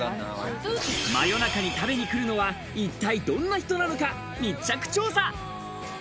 真夜中に食べに来るのは一体どんな人なのか密着調査！